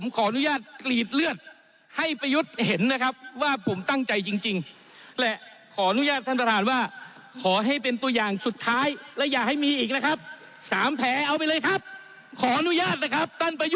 คุณวิสานครับไม่อนุญาตให้กรีดเลือดนะครับ